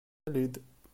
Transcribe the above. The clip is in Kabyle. Ali-d!